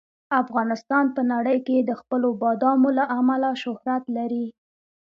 افغانستان په نړۍ کې د خپلو بادامو له امله شهرت لري.